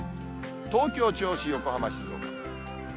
東京、銚子、横浜、静岡。